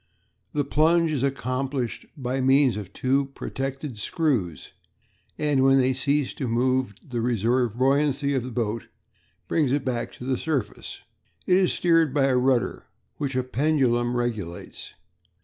The plunge is accomplished by means of two protected screws, and when they cease to move the reserve buoyancy of the boat brings it back to the surface. It is steered by a rudder which a pendulum regulates.